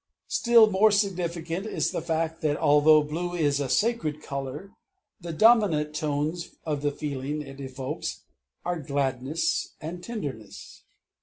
Still more significant is the fact that although blue is a sacred color, the dominant tones of the feeling it evokes are gladness and tenderness.